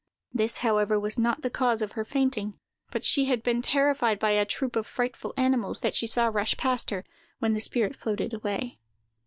This, however, was not the cause of her fainting; but she had been terrified by a troop of frightful animals that she saw rush past her, when the spirit floated away.